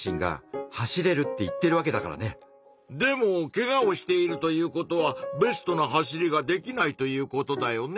でもけがをしているということはベストな走りができないということだよね？